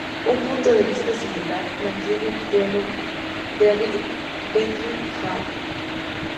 Un punto de vista similar mantiene el teólogo David Bentley Hart.